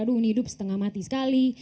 dunia hidup setengah mati sekali